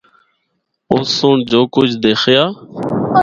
آس سنڑ جو کجھ دیخیا۔